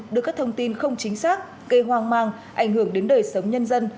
đưa các thông tin không chính xác gây hoang mang ảnh hưởng đến đời sống nhân dân